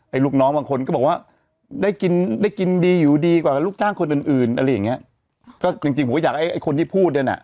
ลูกน้องบางคนก็บอกว่าได้กินได้กินดีอยู่ดีกว่าลูกจ้างคนอื่นอื่นอะไรอย่างเงี้ยก็จริงจริงผมก็อยากให้ไอ้คนที่พูดเนี่ยน่ะ